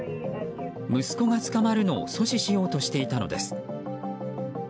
息子が捕まるのを阻止しようとしていたのです。